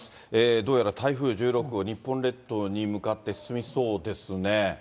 どうやら台風１６号、日本列島に向かって進みそうですね。